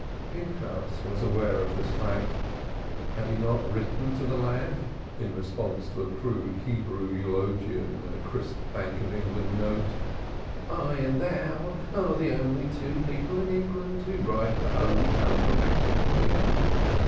Pinchas was aware of this fact: had he not written to the lad (in response to a crude Hebrew eulogium and a crisp Bank of England note): "I and thou are the only two people in England who write the Holy Tongue grammatically."